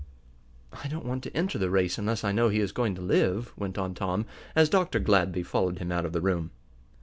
"I don't want to enter the race unless I know he is going to live," went on Tom, as Dr. Gladby followed him out of the room.